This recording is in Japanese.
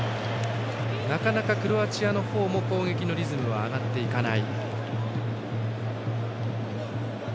なかなかクロアチアのほうも攻撃のリズムが上がっていかない。